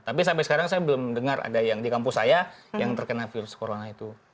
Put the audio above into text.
tapi sampai sekarang saya belum dengar ada yang di kampus saya yang terkena virus corona itu